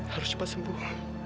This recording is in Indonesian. harus cepat sembuh